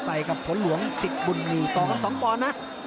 ใส่กับผลหลวงศิษย์บุญมีต่อกัน๒ตอนนะ